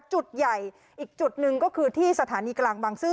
จุดใหญ่อีกจุดหนึ่งก็คือที่สถานีกลางบางซื่อ